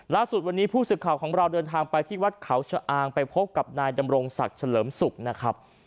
ล่าสุดวันนี้ผู้สื่อข่าวของเราเดินทางไปที่วัดเขาชะอางไปพบกับนายดำรงศักดิ์เฉลิมศุกร์นะครับ